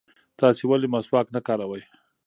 تاسې ولې مسواک نه کاروئ؟